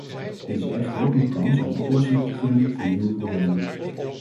Dit is echter ook een kans om oplossingen te vinden voor nieuwe problemen.